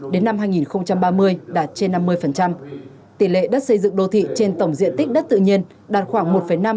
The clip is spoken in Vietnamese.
đến năm hai nghìn ba mươi đạt trên năm mươi tỷ lệ đất xây dựng đô thị trên tổng diện tích đất tự nhiên đạt khoảng một năm